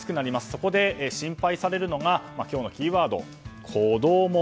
そこで心配されるのが今日のキーワード、コドモ。